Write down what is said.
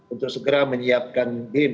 untuk segera menyiapkan bim